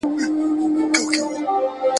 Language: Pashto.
او که دواړي سترګي بندي وي څه ښه دي `